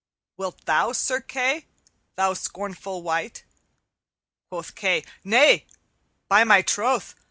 "'Wilt thou, Sir Kay, thou scornful wight?' Quoth Kay, 'Nay, by my troth!